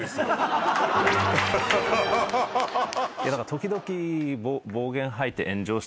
時々。